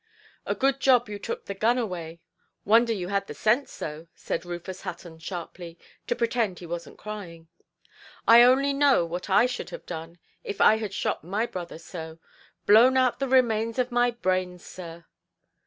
"A good job you took the gun away; wonder you had the sense, though", said Rufus Hutton, sharply, to pretend he wasnʼt crying; "I only know what I should have done, if I had shot my brother so—blown out the remains of my brains, sir"!